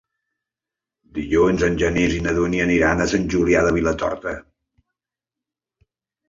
Dilluns en Genís i na Dúnia aniran a Sant Julià de Vilatorta.